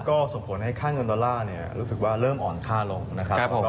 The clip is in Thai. ก็ส่งผลให้ค่าเงินดอลลาร์รู้สึกว่าเริ่มอ่อนค่าลงนะครับ